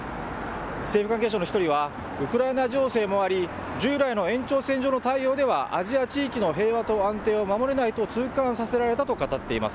政府関係者の一人は、ウクライナ情勢もあり、従来の延長線上の対応ではアジア地域の平和と安定は守れないと痛感させられたと語っています。